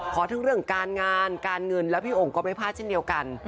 ทั้งเรื่องการงานการเงินแล้วพี่โอ่งก็ไม่พลาดเช่นเดียวกัน